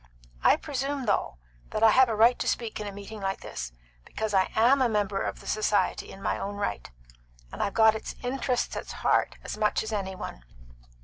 I presume, though, that I have a right to speak in a meeting like this, because I am a member of the society in my own right, and I've got its interests at heart as much as any one.